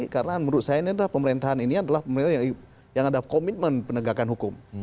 karena menurut saya pemerintahan ini adalah pemerintahan yang ada komitmen penegakan hukum